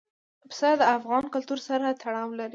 پسه د افغان کلتور سره تړاو لري.